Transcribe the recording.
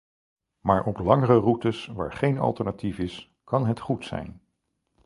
Maar op langere routes waar geen alternatief is, kan het goed zijn.